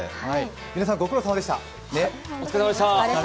皆さん、ご苦労さまでした。